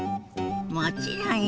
もちろんよ。